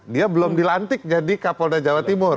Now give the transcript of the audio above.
dia belum dilantik jadi kapolda jawa timur